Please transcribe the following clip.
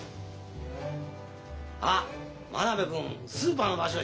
あっマナベル君スーパーの場所